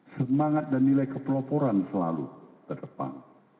semangat dan nilai kepeloporan selalu terdepan